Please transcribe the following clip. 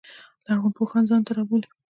لرغون پوهان ځان ته رابولي.